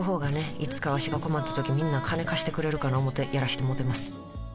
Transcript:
いつかわしが困った時みんな金貸してくれるかな思うてやらしてもろてます